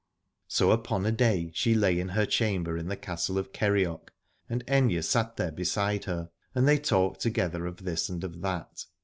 So upon a day she lay in her chamber in the Castle of Kerioc, and Aithne sat there beside her and they talked together of this E 65 Aladore and of that.